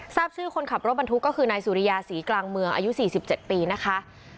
ทราบชื่อคนขับรถบรรทุกก็คือนายสุริยาศรีกลางเมืองอายุ๔๗ปีนะคะ